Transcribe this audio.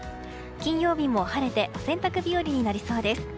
金曜日も晴れてお洗濯日和になりそうです。